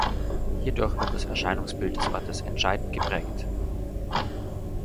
Hierdurch wird das Erscheinungsbild des Ortes entscheidend geprägt.